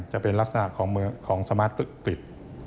จะเป็นลักษณะของสมาร์ทปิด